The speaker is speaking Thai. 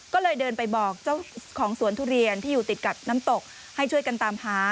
ก็เลยเดินไปบอกเจ้าของสวนทุเรียนที่อยู่ติดกับน้ำตกให้ช่วยกันตามหา